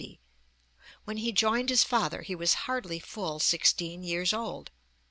When he joined his father he was 'hardly full sixteen years old' (p.